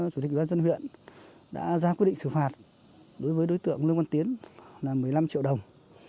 chủ tịch đoàn dân huyện đã ra quy định xử phạt đối với đối tượng lương văn tiến là một mươi năm triệu đồng